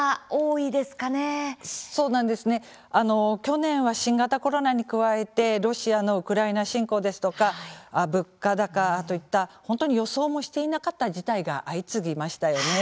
あの去年は新型コロナに加えてロシアのウクライナ侵攻ですとか物価高といった本当に予想もしていなかった事態が相次ぎましたよね。